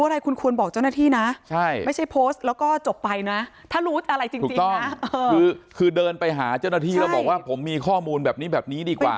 เพราะฉะนั้นไปหาเจ้าหน้าที่แล้วบอกว่าผมมีข้อมูลแบบนี้แบบนี้ดีกว่า